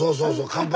「乾杯」？